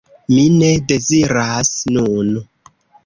Mi ne deziras nun.